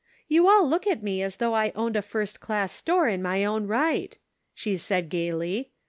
"You all look at me as though I owned a first class store in my own right," she said, gaily.